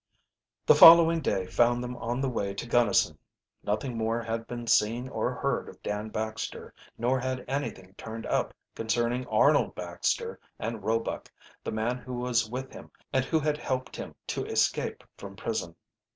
The following day found them on the way to Gunnison. Nothing more had been seen or heard of Dan Baxter, nor had anything turned up concerning Arnold Baxter and Roebuck, the man who was with him and who hid helped him to escape from prison.